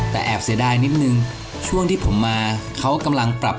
แต่แอบเสียดายนิดนึงช่วงที่ผมมาเขากำลังปรับ